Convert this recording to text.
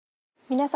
皆様。